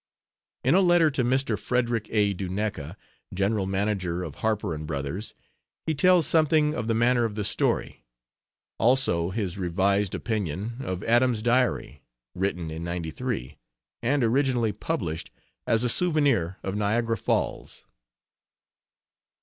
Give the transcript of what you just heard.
In a letter to Mr. Frederick A. Duneka, general manager of Harper & Brothers, he tells something of the manner of the story; also his revised opinion of Adam's Diary, written in '93, and originally published as a souvenir of Niagara Falls.